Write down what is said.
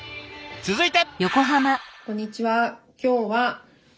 続いて！